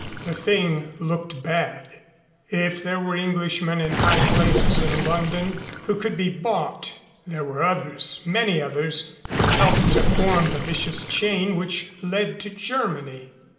The thing looked bad. If there were Englishmen in high places in London who could be bought, there were others, many others, who helped to form the vicious chain which led to Germany.